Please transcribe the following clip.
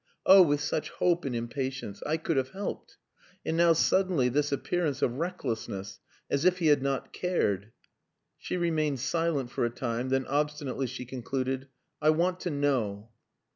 Oh! with such hope and impatience. I could have helped. And now suddenly this appearance of recklessness as if he had not cared...." She remained silent for a time, then obstinately she concluded "I want to know...."